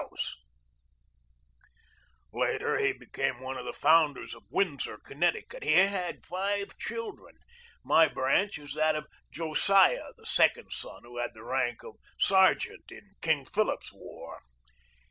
3 4 GEORGE DEWEY Later he became one of the founders of Windsor, Connecticut. He had five children. My branch is that of Josiah, the second son, who had the rank of sergeant in King Philip's War.